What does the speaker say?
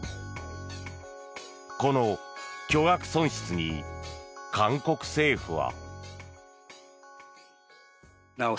この巨額損失に韓国政府は。